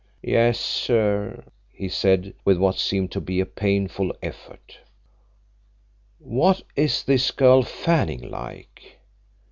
"Yes, sir," he said, with what seemed to be a painful effort. "What is this girl Fanning like?"